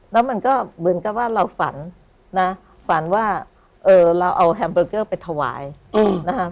แล้วมันก็เหมือนกับว่าเราฝันนะฝันว่าเราเอาแฮมเบอร์เกอร์ไปถวายนะคะ